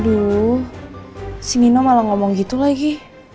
aduh si nino malah ngomong gitu lagi